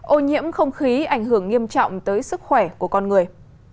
ô nhiễm không khí ảnh hưởng nghiêm trọng tới sức khỏe của con người